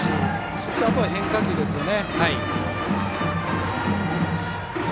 そしてあとは変化球ですよね。